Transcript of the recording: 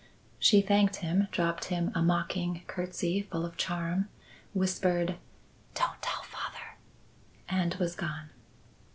She thanked him, dropped him a mocking curtsey full of charm, whispered "Don't tell father," and was gone.